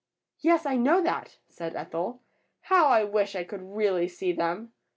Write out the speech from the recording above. "Yes, I know that," said Ethel, "how I wish I could really see them!"